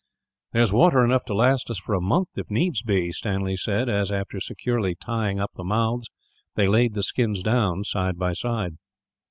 "There is water enough to last us for a month, if needs be," Stanley said as, after securely tying up the mouths, they laid the skins down, side by side.